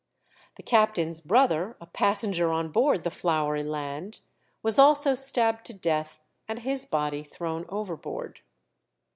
The captain's brother, a passenger on board the 'Flowery Land,' was also stabbed to death and his body thrown overboard.